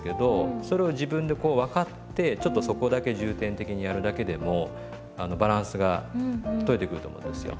それを自分でこう分かってちょっとそこだけ重点的にやるだけでもバランスが取れてくると思いますよ。